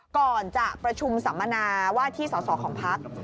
ก่อนจะประชุมสัมมนาว่าที่สอสอของพัก